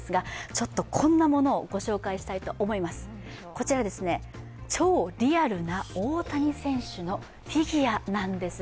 こちら、超リアルな大谷選手のフィギュアなんです。